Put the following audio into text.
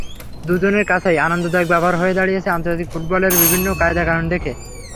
দুজনের কাছেই আনন্দদায়ক ব্যাপার হয়ে দাঁড়িয়েছে আন্তর্জাতিক ফুটবলের বিভিন্ন কায়দা-কানুন দেখে।